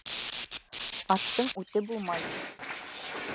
Аттың үте булмай